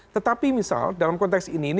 tetapi misal dalam konteks ini